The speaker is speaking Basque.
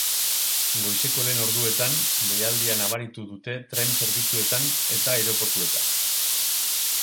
Goizeko lehen orduetan, deialdia nabaritu dute tren-zerbitzuetan eta aireportuetan.